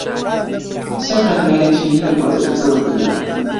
سێ خوێندکاری چینی لە کۆلیژەکە وەرگیراون.